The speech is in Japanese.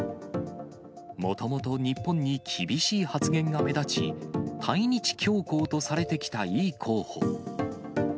もともと日本に厳しい発言が目立ち、対日強硬とされてきたイ候補。